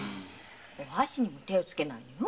箸にも手をつけないのよ。